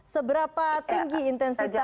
seberapa tinggi intensitas